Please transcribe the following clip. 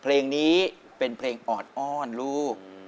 เพลงนี้เป็นเพลงออดอ้อนลูก